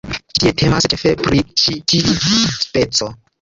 Ĉi tie temas ĉefe pri ĉi tiu speco.